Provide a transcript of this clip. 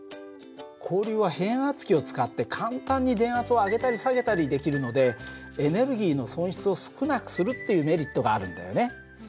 交流は変圧器を使って簡単に電圧を上げたり下げたりできるのでエネルギーの損失を少なくするっていうメリットがあるんだよね。